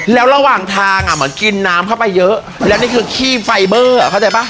แล้วระหว่างทางอ่ะเหมือนกินน้ำเข้าไปเยอะแล้วนี่คือขี้ไฟเบอร์เข้าใจป่ะ